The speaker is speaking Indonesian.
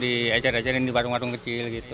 di ecer ecerin di warung warung kecil gitu